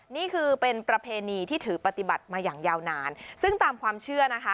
นี่คือเป็นประเพณีที่ถือปฏิบัติมาอย่างยาวนานซึ่งตามความเชื่อนะคะ